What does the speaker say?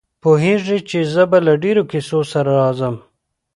پوهېږي چې زه به له ډېرو کیسو سره راځم.